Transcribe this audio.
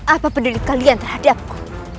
apa peduli kalian terhadapku